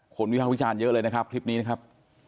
วิภาควิจารณ์เยอะเลยนะครับคลิปนี้นะครับ